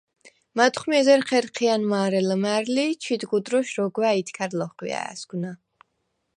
მათხვმი ეზერ ჴერჴია̈ნ მა̄რე ლჷმა̄̈რლი ი ჩიდ გუდროშ როგვა̈ ითქა̈რ ლოხვია̄̈სგვნა.